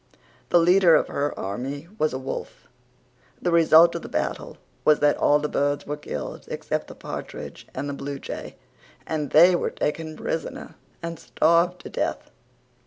The leader of her army was a wolf. The result of the battle was that all the birds were killed except the partridge and the bluejay and they were taken prisoner and starved to death.